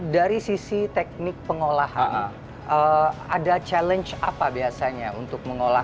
dari sisi teknik pengolahan ada challenge apa biasanya untuk mengolah